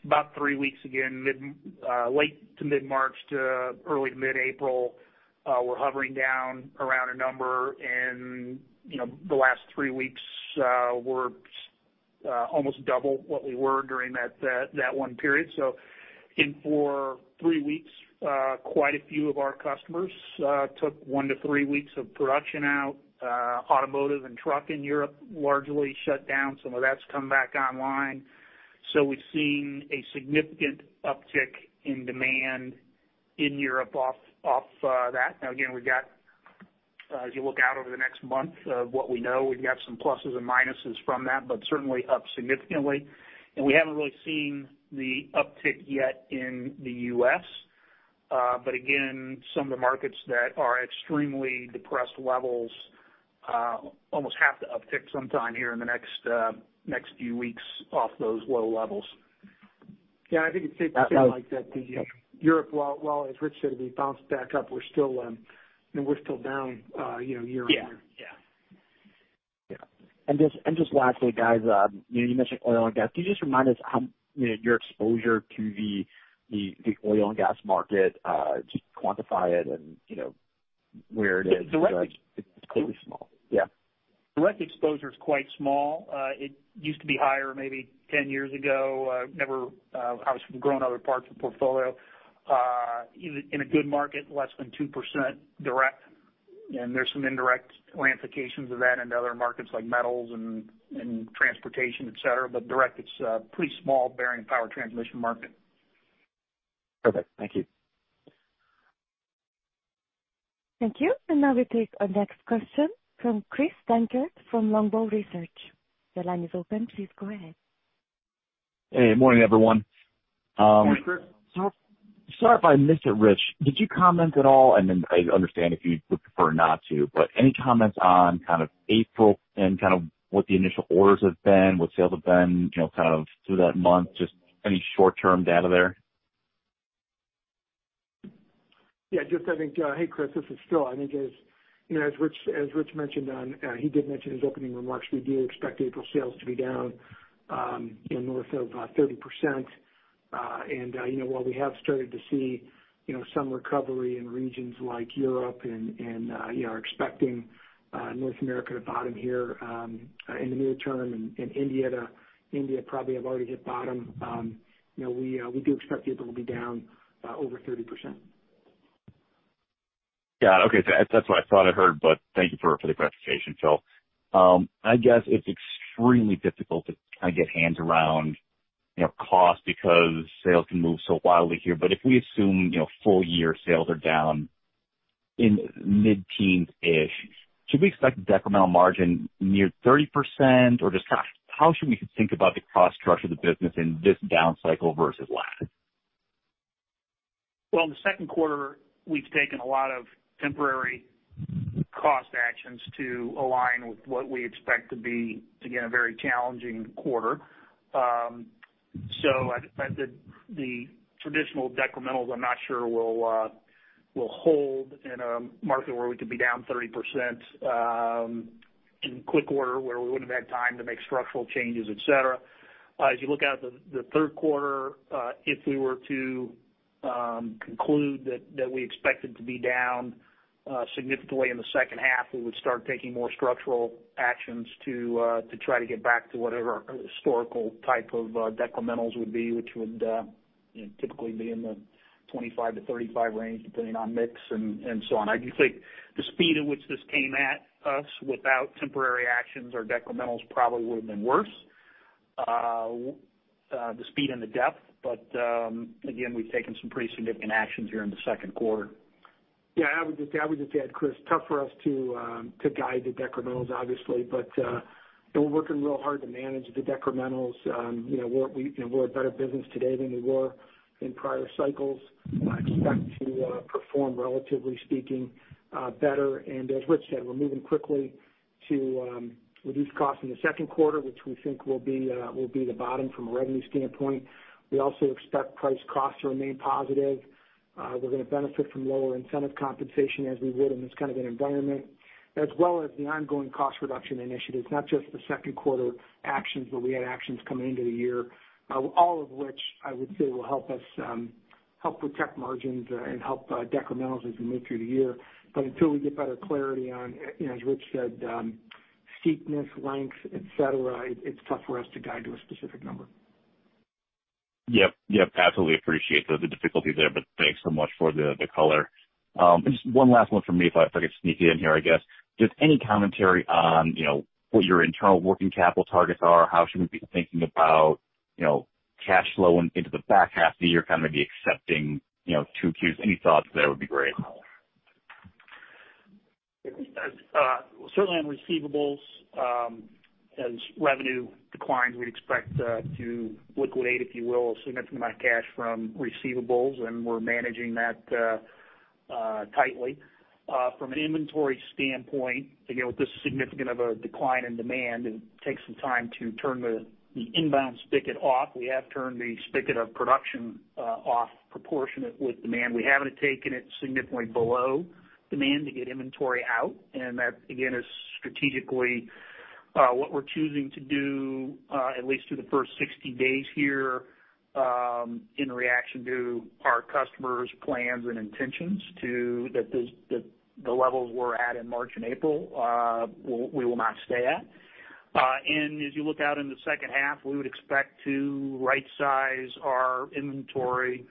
about three weeks again, late to mid-March to early to mid-April, we're hovering down around a number. The last three weeks we're almost double what we were during that one period. For three weeks, quite a few of our customers took one to three weeks of production out. Automotive and truck in Europe largely shut down. Some of that's come back online. We've seen a significant uptick in demand in Europe off that. Now, again, as you look out over the next month of what we know, we've got some pluses and minuses from that, but certainly up significantly. We haven't really seen the uptick yet in the U.S. Again, some of the markets that are extremely depressed levels almost have to uptick sometime here in the next few weeks off those low levels. Yeah. I think it's safe to say, like that the Europe, while as Rich said, we bounced back up, we're still down year-on-year. Yeah. just lastly, guys, you mentioned oil and gas. Can you just remind us your exposure to the oil and gas market? Just quantify it and where it is. It's clearly small. Yeah. Direct exposure is quite small. It used to be higher maybe 10 years ago. Obviously, we've grown other parts of the portfolio. In a good market, less than 2% direct, and there's some indirect ramifications of that into other markets like metals and transportation, et cetera. direct, it's pretty small, bearing and power transmission market. Perfect. Thank you. Thank you. Now we take our next question from Chris Dankert from Longbow Research. Your line is open. Please go ahead. Hey, morning everyone. Morning, Chris. Sorry if I missed it, Rich, did you comment at all, and then I understand if you would prefer not to, but any comments on April and what the initial orders have been, what sales have been through that month, just any short-term data there? Hey, Chris, this is Phil. I think as Rich mentioned, he did mention in his opening remarks, we do expect April sales to be down north of 30%. While we have started to see some recovery in regions like Europe and are expecting North America to bottom here in the near term and India probably have already hit bottom. We do expect April to be down over 30%. Yeah. Okay. That's what I thought I heard, but thank you for the clarification, Phil. I guess it's extremely difficult to get hands around cost because sales can move so wildly here. If we assume full year sales are down in mid-teens-ish, should we expect decremental margin near 30%? Just how should we think about the cost structure of the business in this down cycle versus last? Well, in the second quarter, we've taken a lot of temporary cost actions to align with what we expect to be, again, a very challenging quarter. I expect that the traditional decrementals, I'm not sure will hold in a market where we could be down 30% in quick order, where we wouldn't have had time to make structural changes, et cetera. As you look out at the third quarter, if we were to conclude that we expected to be down significantly in the second half, we would start taking more structural actions to try to get back to whatever historical type of decrementals would be, which would typically be in the 25%-35% range, depending on mix and so on. I do think the speed at which this came at us without temporary actions or decrementals probably would have been worse. The speed and the depth, but again, we've taken some pretty significant actions here in the second quarter. Yeah. I would just add, Chris, tough for us to guide the decrementals, obviously. We're working real hard to manage the decrementals. We're a better business today than we were in prior cycles. I expect to perform, relatively speaking, better. As Rich said, we're moving quickly to reduce costs in the second quarter, which we think will be the bottom from a revenue standpoint. We also expect price cost to remain positive. We're going to benefit from lower incentive compensation as we would in this kind of an environment, as well as the ongoing cost reduction initiatives. Not just the second quarter actions, but we had actions coming into the year. All of which, I would say, will help protect margins and help decrementals as we move through the year. Until we get better clarity on, as Rich said, steepness, length, et cetera, it's tough for us to guide to a specific number. Yep. Absolutely appreciate the difficulty there, but thanks so much for the color. Just one last one from me, if I could sneak it in here, I guess. Just any commentary on what your internal working capital targets are, how should we be thinking about cash flow into the back half of the year, maybe accepting 2Qs? Any thoughts there would be great. Certainly on receivables. As revenue declines, we'd expect to liquidate, if you will, a significant amount of cash from receivables, and we're managing that tightly. From an inventory standpoint, again, with this significant of a decline in demand, it takes some time to turn the inbound spigot off. We have turned the spigot of production off proportionate with demand. We haven't taken it significantly below demand to get inventory out, and that again, is strategically what we're choosing to do at least through the first 60 days here in reaction to our customers' plans and intentions to the levels we're at in March and April, we will not stay at. As you look out in the second half, we would expect to right-size our inventory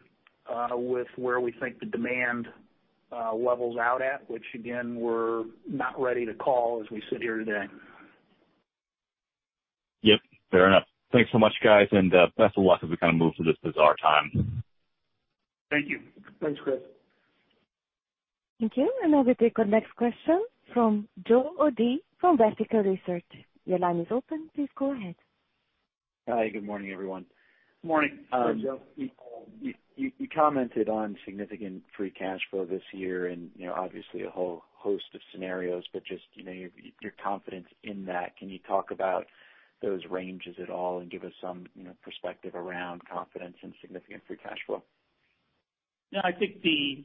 with where we think the demand levels out at, which again, we're not ready to call as we sit here today. Yep, fair enough. Thanks so much, guys, and best of luck as we move through this bizarre time. Thank you. Thanks, Chris. Thank you. Now we take our next question from Joe O'Dea from Vertical Research. Your line is open. Please go ahead. Hi. Good morning, everyone. Morning. Good morning, Joe. You commented on significant free cash flow this year and obviously a whole host of scenarios, but just your confidence in that. Can you talk about those ranges at all and give us some perspective around confidence in significant free cash flow? No, I think the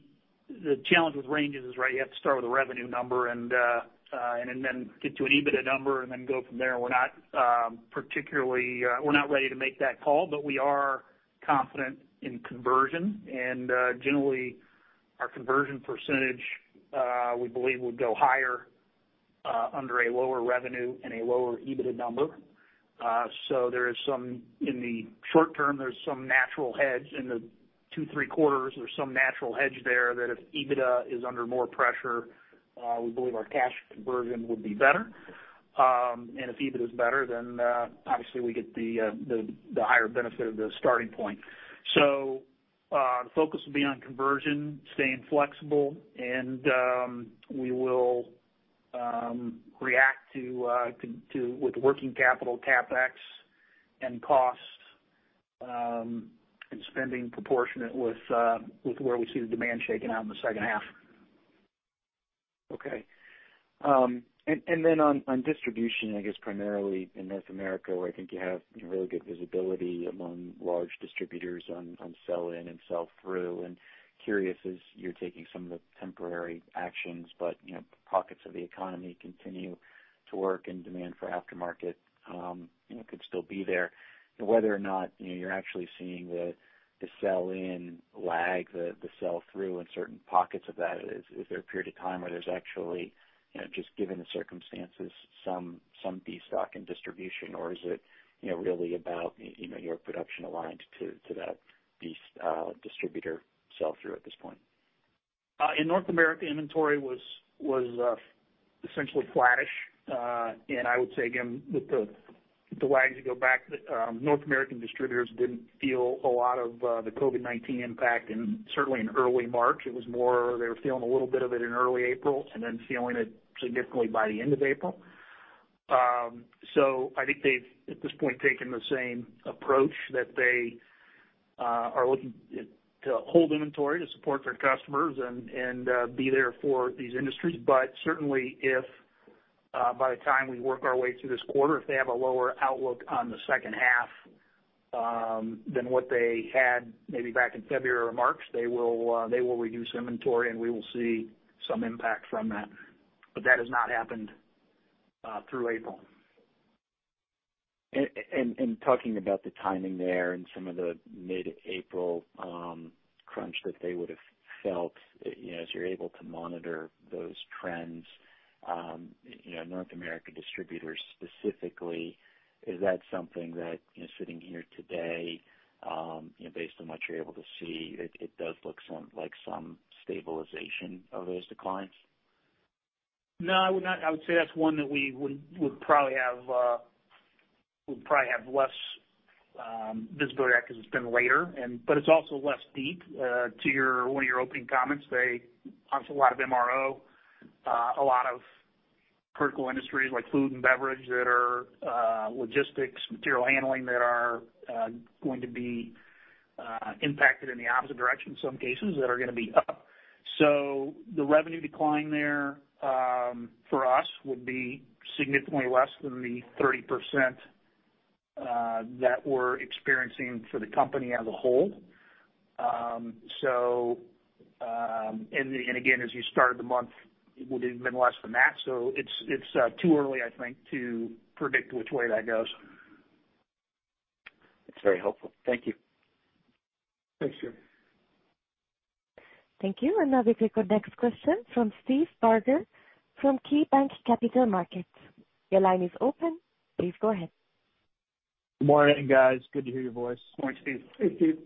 challenge with ranges is, right, you have to start with a revenue number and then get to an EBITDA number and then go from there. We're not ready to make that call, but we are confident in conversion. Generally, our conversion percentage we believe would go higher under a lower revenue and a lower EBITDA number. In the short term, there's some natural hedge in the two, three quarters. There's some natural hedge there that if EBITDA is under more pressure, we believe our cash conversion would be better. If EBIT is better, then obviously we get the higher benefit of the starting point. The focus will be on conversion, staying flexible, and we will react with working capital CapEx and cost and spending proportionate with where we see the demand shaking out in the second half. Okay. Then on distribution, I guess primarily in North America, where I think you have really good visibility among large distributors on sell-in and sell-through, and curious as you're taking some of the temporary actions, but pockets of the economy continue to work and demand for aftermarket could still be there. Whether or not you're actually seeing the sell-in lag, the sell-through in certain pockets of that. Is there a period of time where there's actually, just given the circumstances, some de-stock in distribution? Is it really about your production aligned to that distributor sell-through at this point? In North America, inventory was essentially flattish. I would say, again, with the lag, as you go back, North American distributors didn't feel a lot of the COVID-19 impact certainly in early March. It was more they were feeling a little bit of it in early April and then feeling it significantly by the end of April. I think they've, at this point, taken the same approach that they are looking to hold inventory to support their customers and be there for these industries. Certainly if by the time we work our way through this quarter, if they have a lower outlook on the second half than what they had maybe back in February or March, they will reduce inventory, and we will see some impact from that. That has not happened through April. Talking about the timing there and some of the mid-April crunch that they would have felt, as you're able to monitor those trends, North America distributors specifically, is that something that, sitting here today, based on what you're able to see, it does look like some stabilization of those declines? No, I would say that's one that we would probably have less visibility at because it's been later and, but it's also less deep. To one of your opening comments, they obviously a lot of MRO. A lot of critical industries like food and beverage that are logistics, material handling, that are going to be impacted in the opposite direction, in some cases, that are going to be up. The revenue decline there, for us, would be significantly less than the 30% that we're experiencing for the company as a whole. Again, as you start the month, it would even been less than that. It's too early, I think, to predict which way that goes. That's very helpful. Thank you. Thanks, Joe. Thank you. Now we take our next question from Steve Barger from KeyBanc Capital Markets. Your line is open. Please go ahead. Good morning, guys. Good to hear your voice. Good morning, Steve. Hey, Steve.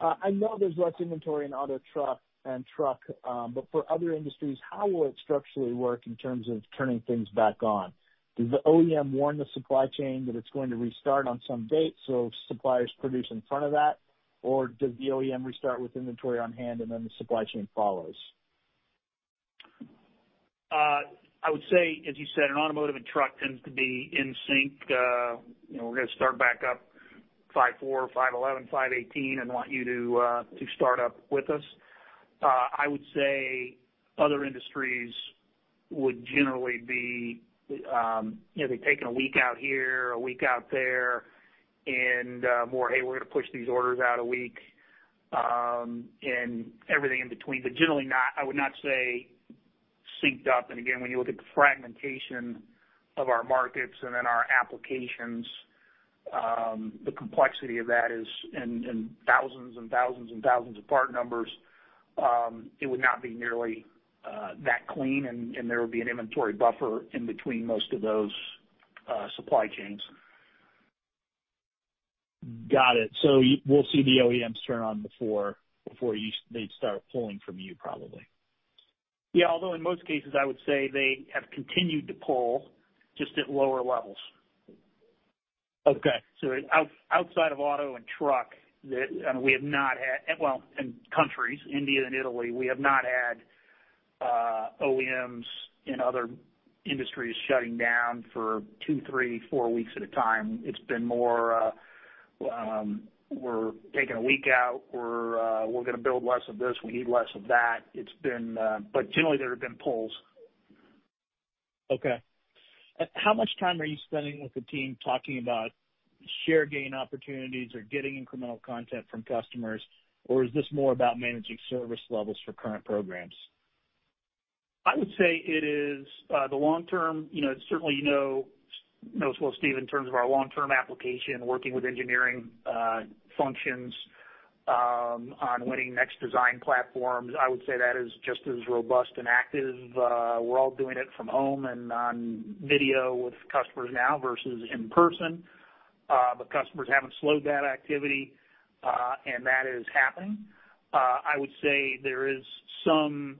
I know there's less inventory in auto truck and truck, but for other industries, how will it structurally work in terms of turning things back on? Does the OEM warn the supply chain that it's going to restart on some date, so suppliers produce in front of that? Or does the OEM restart with inventory on hand and then the supply chain follows? I would say, as you said, in automotive and truck tends to be in sync. We're going to start back up five four, five eleven, five eighteen, and want you to start up with us. I would say other industries would generally be taking a week out here, a week out there, and more, "Hey, we're going to push these orders out a week," and everything in between. Generally not, I would not say synced up. Again, when you look at the fragmentation of our markets and then our applications, the complexity of that is in thousands and thousands of part numbers. It would not be nearly that clean, and there would be an inventory buffer in between most of those supply chains. Got it. We'll see the OEMs turn on before they'd start pulling from you probably. Yeah. Although in most cases, I would say they have continued to pull, just at lower levels. Okay. outside of auto and truck, well, in countries, India and Italy, we have not had OEMs in other industries shutting down for two, three, four weeks at a time. It's been more, "We're taking a week out." "We're going to build less of this. We need less of that." generally, there have been pulls. Okay. How much time are you spending with the team talking about share gain opportunities or getting incremental content from customers? Is this more about managing service levels for current programs? I would say it is the long term. Certainly you know as well, Steve, in terms of our long-term application, working with engineering functions on winning next design platforms, I would say that is just as robust and active. We're all doing it from home and on video with customers now versus in person. The customers haven't slowed that activity, and that is happening. I would say there is some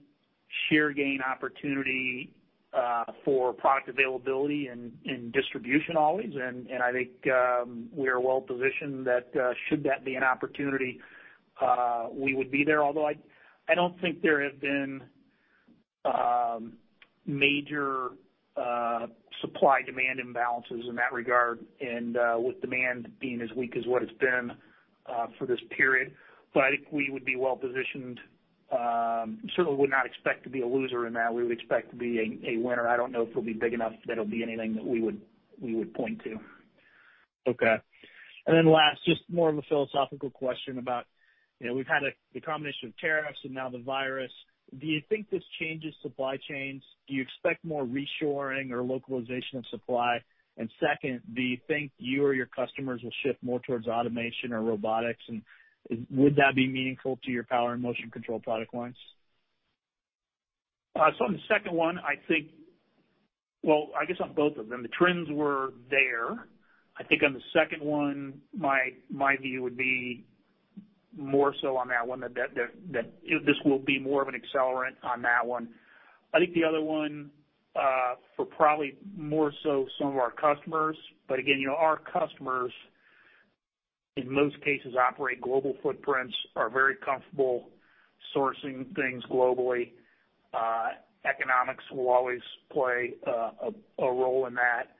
share gain opportunity for product availability and distribution always, and I think we are well-positioned that should that be an opportunity, we would be there. Although I don't think there have been major supply-demand imbalances in that regard and with demand being as weak as what it's been for this period. I think we would be well-positioned. Certainly would not expect to be a loser in that. We would expect to be a winner. I don't know if it'll be big enough that it'll be anything that we would point to. Okay. last, just more of a philosophical question about, we've had the combination of tariffs and now the virus. Do you think this changes supply chains? Do you expect more reshoring or localization of supply? second, do you think you or your customers will shift more towards automation or robotics, and would that be meaningful to your power and motion control product lines? On the second one, I think, well, I guess on both of them, the trends were there. I think on the second one, my view would be more so on that one, that this will be more of an accelerant on that one. I think the other one, for probably more so some of our customers, but again, our customers, in most cases, operate global footprints, are very comfortable sourcing things globally. Economics will always play a role in that.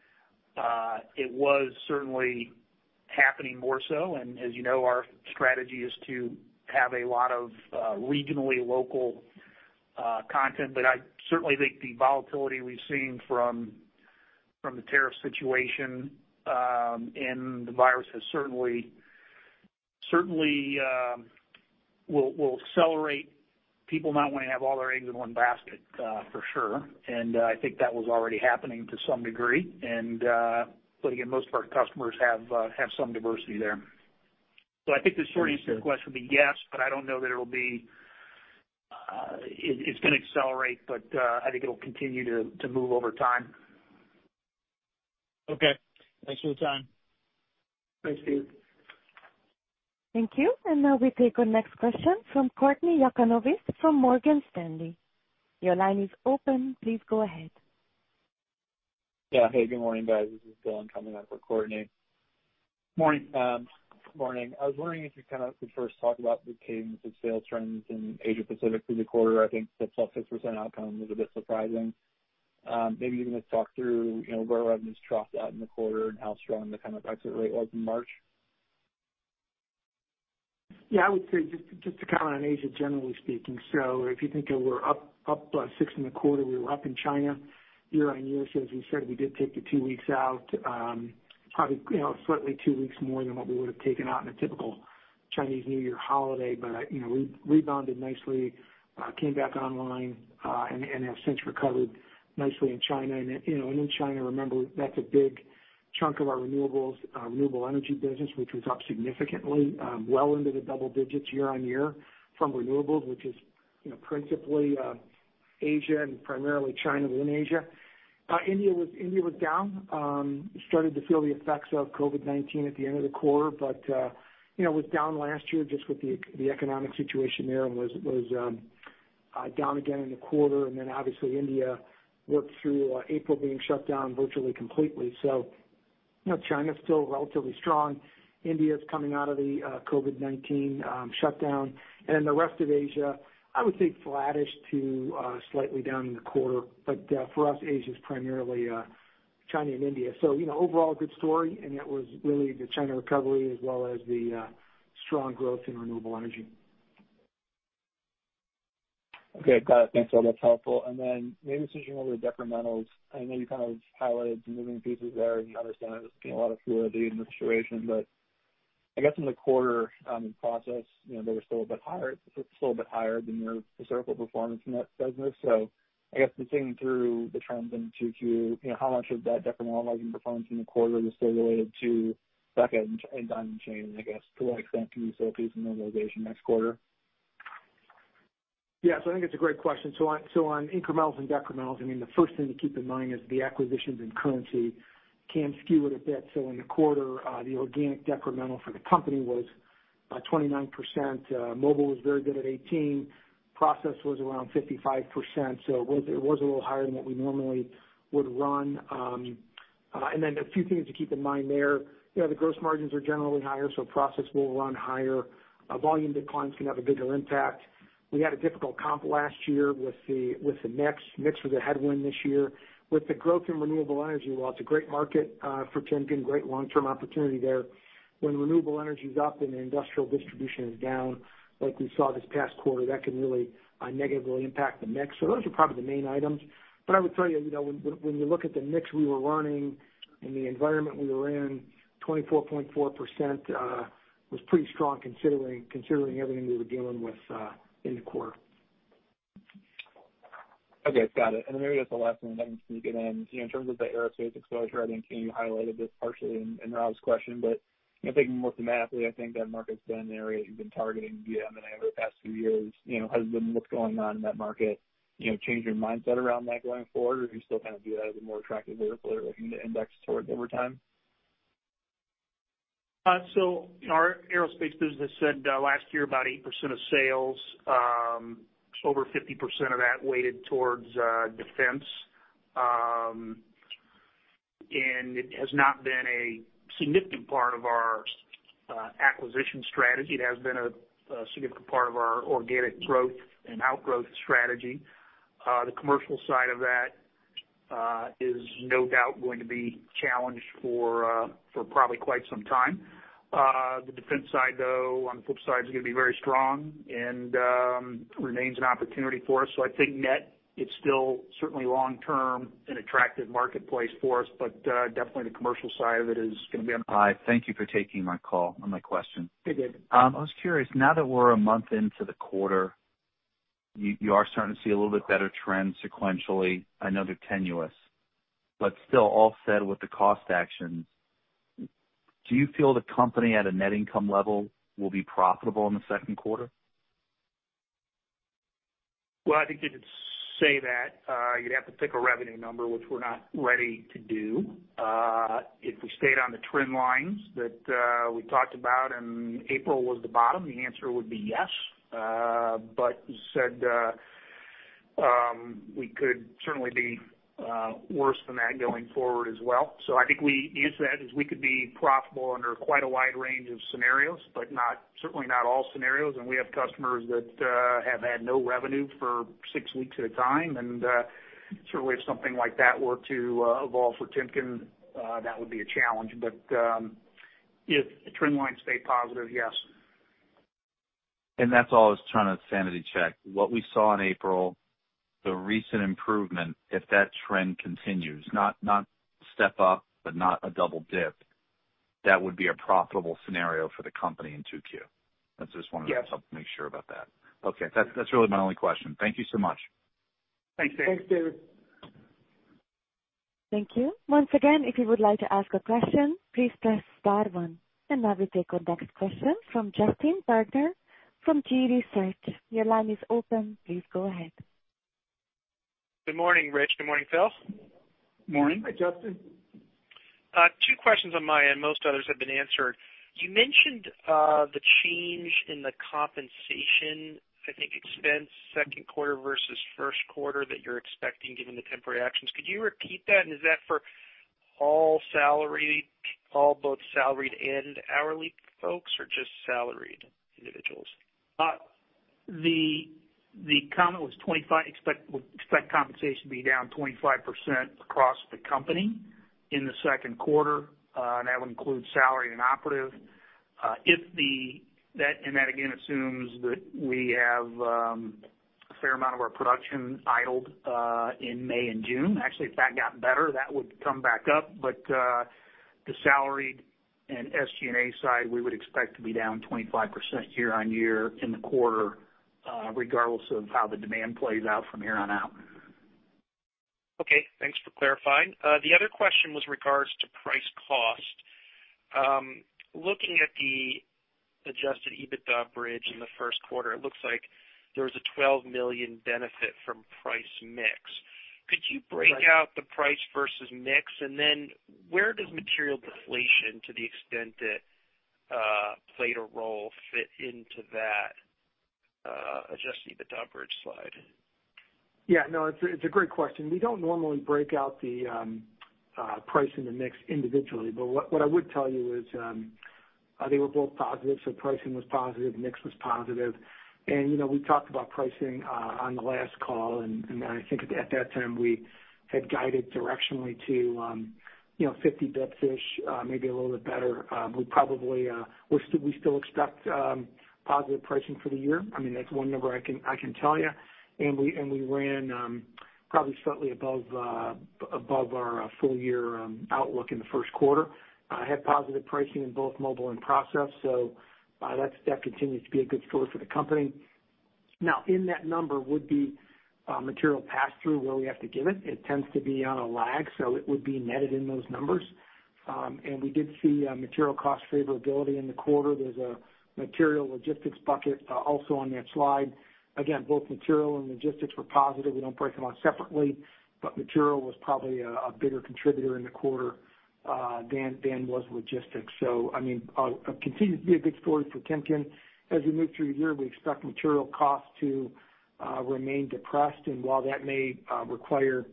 It was certainly happening more so, and as you know, our strategy is to have a lot of regionally local content. I certainly think the volatility we've seen from the tariff situation, and the virus has certainly will accelerate people not wanting to have all their eggs in one basket for sure. I think that was already happening to some degree. Again, most of our customers have some diversity there. I think the short answer to the question would be yes, but I don't know that it's going to accelerate, but I think it'll continue to move over time. Okay. Thanks for your time. Thanks, Steve. Thank you. Now we take our next question from Cmourtney Yakavonis from Morgan Stanley. Your line is open. Please go ahead. Yeah. Hey, good morning, guys. This is Dillon coming on for Courtney. Morning. Morning. I was wondering if you kind of could first talk about the cadence of sales trends in Asia Pacific through the quarter. I think the plus 6% outcome was a bit surprising. Maybe you can just talk through where revenues troughed out in the quarter and how strong the kind of exit rate was in March? Yeah, I would say just to comment on Asia, generally speaking, if you think of we're up 6% in the quarter, we were up in China year-over-year. As we said, we did take the two weeks out, probably slightly two weeks more than what we would have taken out in a typical Chinese New Year holiday. We rebounded nicely, came back online, and have since recovered nicely in China. In China, remember, that's a big chunk of our renewable energy business, which was up significantly, well into the double digits year-over-year from renewables, which is principally Asia and primarily China within Asia. India was down. Started to feel the effects of COVID-19 at the end of the quarter, but was down last year just with the economic situation there and was down again in the quarter, and then obviously India worked through April being shut down virtually completely. China's still relatively strong. India's coming out of the COVID-19 shutdown. The rest of Asia, I would say flattish to slightly down in the quarter. For us, Asia's primarily China and India. Overall, a good story, and it was really the China recovery as well as the strong growth in renewable energy. Okay, got it. Thanks. That's helpful. Maybe switching over to decrementals. I know you kind of highlighted the moving pieces there, and you understand there's been a lot of fluidity in the situation, but I guess in the quarter, in Process, they were still a bit higher than your historical performance in that business. I guess just thinking through the trends into Q2, how much of that decremental margin performance in the quarter was still related to BEKA and Diamond Chain, and I guess to what extent can you see a piece of normalization next quarter? Yeah. I think it's a great question. On incrementals and decrementals, the first thing to keep in mind is the acquisitions and currency can skew it a bit. In the quarter, the organic decremental for the company was 29%. Mobile was very good at 18. Process was around 55%, so it was a little higher than what we normally would run. A few things to keep in mind there. The gross margins are generally higher, so Process will run higher. Volume declines can have a bigger impact. We had a difficult comp last year with the mix. Mix was a headwind this year. With the growth in renewable energy, while it's a great market for Timken, great long-term opportunity there, when renewable energy is up and the industrial distribution is down, like we saw this past quarter, that can really negatively impact the mix. those are probably the main items. I would tell you, when you look at the mix we were running and the environment we were in, 24.4% was pretty strong considering everything we were dealing with in the quarter. Okay, got it. then maybe that's the last one I have for you, Dan. In terms of the aerospace exposure, I think you highlighted this partially in Rob's question, but I think more mathematically, I think that market's been an area you've been targeting via M&A over the past few years. Has what's going on in that market changed your mindset around that going forward, or do you still view that as a more attractive vehicle for looking to index towards over time? Our aerospace business said last year, about 8% of sales, over 50% of that weighted towards defense. It has not been a significant part of our acquisition strategy. It has been a significant part of our organic growth and outgrowth strategy. The commercial side of that is no doubt going to be challenged for probably quite some time. The defense side, though, on the flip side, is going to be very strong and remains an opportunity for us. I think net, it's still certainly long-term an attractive marketplace for us, but definitely the commercial side of it is going to be. Hi. Thank you for taking my call and my question. Hey, David. I was curious, now that we're a month into the quarter, you are starting to see a little bit better trend sequentially. I know they're tenuous, but still all said with the cost actions, do you feel the company at a net income level will be profitable in the second quarter? Well, I think you could say that. You'd have to pick a revenue number, which we're not ready to do. If we stayed on the trend lines that we talked about, and April was the bottom, the answer would be yes. You said we could certainly be worse than that going forward as well. I think we use that as we could be profitable under quite a wide range of scenarios, but certainly not all scenarios. We have customers that have had no revenue for six weeks at a time. Certainly if something like that were to evolve for Timken, that would be a challenge. If the trend lines stay positive, yes. That's all I was trying to sanity check. What we saw in April, the recent improvement, if that trend continues, not step up, but not a double dip, that would be a profitable scenario for the company in 2Q. I just wanted to make sure about that. Okay. That's really my only question. Thank you so much. Thanks, David. Thanks, David. Thank you. Once again, if you would like to ask a question, please press star one. Now we take our next question from Justin Bergner from G.research. Your line is open. Please go ahead. Good morning, Rich. Good morning, Phil. Morning. Hi, Justin. Two questions on my end. Most others have been answered. You mentioned the change in the compensation, I think, expense second quarter versus first quarter that you're expecting given the temporary actions. Could you repeat that? Is that for all both salaried and hourly folks or just salaried individuals? The comment was we expect compensation to be down 25% across the company in the second quarter. That would include salary and operations. That, again, assumes that we have a fair amount of our production idled in May and June. Actually, if that got better, that would come back up. The salary and SG&A side, we would expect to be down 25% year-over-year in the quarter, regardless of how the demand plays out from here on out. Okay. Thanks for clarifying. The other question was regarding price cost. Looking at the adjusted EBITDA bridge in the first quarter, it looks like there was a $12 million benefit from price mix. Could you break out the price versus mix? Where does material deflation, to the extent it played a role, fit into that adjusted EBITDA bridge slide? Yeah, no, it's a great question. We don't normally break out the pricing and mix individually, but what I would tell you is they were both positive. Pricing was positive, mix was positive. We talked about pricing on the last call, and I think at that time we had guided directionally to 50 basis points, maybe a little bit better. We still expect positive pricing for the year. That's one number I can tell you. We ran probably slightly above our full year outlook in the first quarter. Had positive pricing in both mobile and process. That continues to be a good story for the company. Now, in that number would be material pass-through where we have to give it. It tends to be on a lag, so it would be netted in those numbers. We did see material cost favorability in the quarter. There's a material logistics bucket also on that slide. Again, both material and logistics were positive. We don't break them out separately, but material was probably a bigger contributor in the quarter than was logistics. It continues to be a good story for Timken. As we move through the year, we expect material costs to remain depressed, and while that may require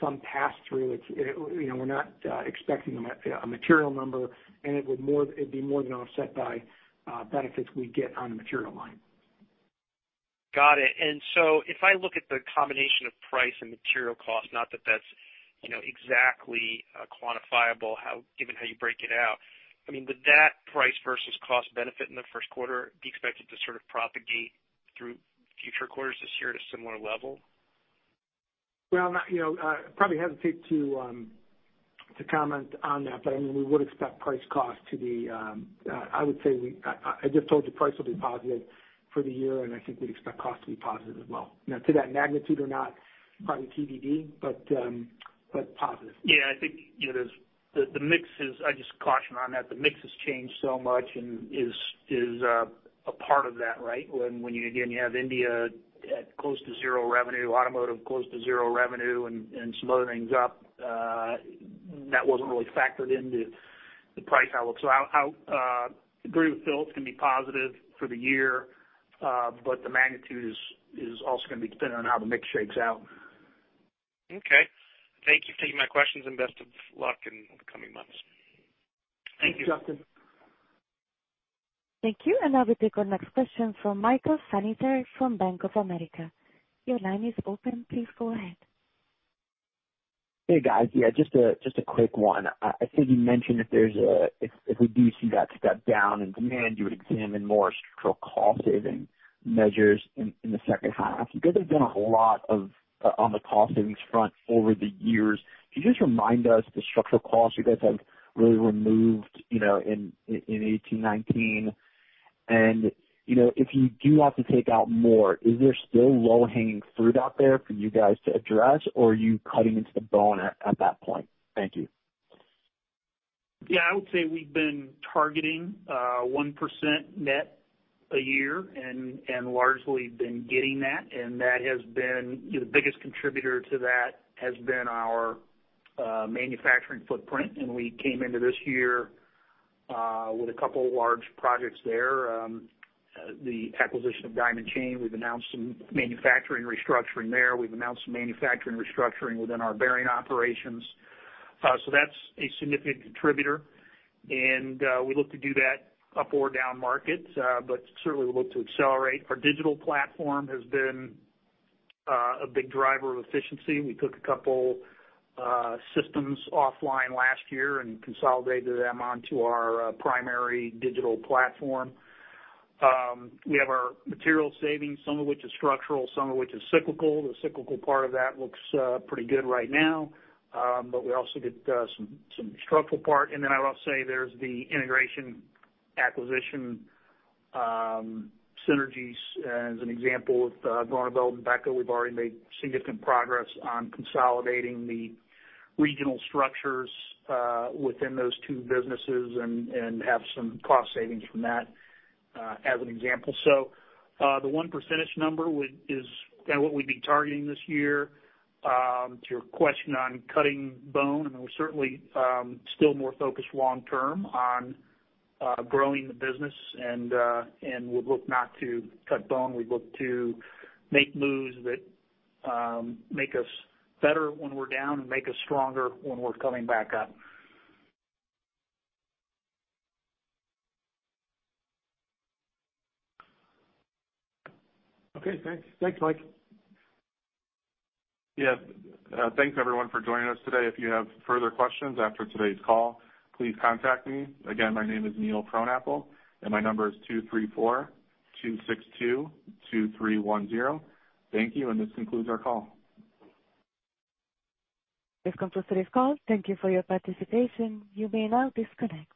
some pass-through, we're not expecting a material number, and it'd be more than offset by benefits we get on the material line. Got it. If I look at the combination of price and material cost, not that that's exactly quantifiable given how you break it out. Would that price versus cost benefit in the first quarter be expected to propagate through future quarters this year at a similar level? Well, I probably hesitate to comment on that, but we would expect price cost to be, I would say, I just told you price will be positive for the year, and I think we'd expect cost to be positive as well. Now, to that magnitude or not, probably TBD, but positive. Yeah, I just caution on that. The mix has changed so much and is a part of that, right? When you again have India at close to zero revenue, automotive close to zero revenue, and some other things up, that wasn't really factored into the price outlook. I agree with Phil. It's going to be positive for the year, but the magnitude is also going to be dependent on how the mix shakes out. Okay. Thank you for taking my questions, and best of luck in the coming months. Thank you. Thank you, Justin. Thank you. Now we take our next question from Michael Feniger from Bank of America. Your line is open. Please go ahead. Hey, guys. Yeah, just a quick one. I think you mentioned if we do see that step down in demand, you would examine more structural cost-saving measures in the second half. You guys have done a lot on the cost savings front over the years. Can you just remind us the structural costs you guys have really removed in 2018, 2019? If you do have to take out more, is there still low-hanging fruit out there for you guys to address, or are you cutting into the bone at that point? Thank you. Yeah, I would say we've been targeting 1% net a year and largely been getting that, and the biggest contributor to that has been our manufacturing footprint. We came into this year with a couple of large projects there. The acquisition of Diamond Chain, we've announced some manufacturing restructuring there. We've announced some manufacturing restructuring within our bearing operations. That's a significant contributor, and we look to do that up or down markets. Certainly we look to accelerate. Our digital platform has been a big driver of efficiency. We took a couple systems offline last year and consolidated them onto our primary digital platform. We have our material savings, some of which is structural, some of which is cyclical. The cyclical part of that looks pretty good right now, but we also get some structural part. I will say there's the integration acquisition synergies. As an example of Groeneveld and BEKA, we've already made significant progress on consolidating the regional structures within those two businesses and have some cost savings from that, as an example. The 1% number is what we'd be targeting this year. To your question on cutting bone, we're certainly still more focused long term on growing the business, and we look not to cut bone. We look to make moves that make us better when we're down and make us stronger when we're coming back up. Okay, thanks. Thanks, Mike. Yeah. Thanks everyone for joining us today. If you have further questions after today's call, please contact me. Again, my name is Neil Frohnapple, and my number is 234-262-2310. Thank you, and this concludes our call. This concludes today's call. Thank you for your participation. You may now disconnect.